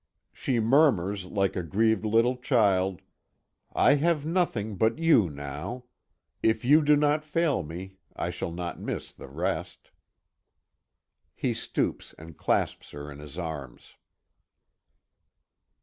She murmurs like a grieved little child: "I have nothing but you now. If you do not fail me, I shall not miss the rest." He stoops and clasps her in his arms.